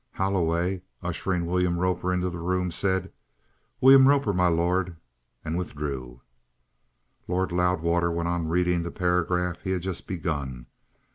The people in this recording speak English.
Holloway, ushering William Roper into the room, said: "William Roper, m'lord," and withdrew. Lord Loudwater went on reading the paragraph he had just begun.